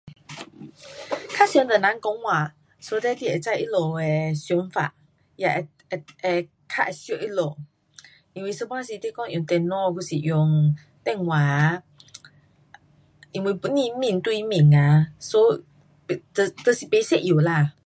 较常跟人讲话，so that 你会知他们的想法，也会，会，会较会熟他们，因为一半时你讲用电脑还是电话啊，因为不是面对面啊，so 就，就是不一样啦。